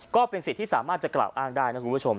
ก็เป็นสิทธิ์ที่สามารถจะกล่าวอ้างได้นะคุณผู้ชม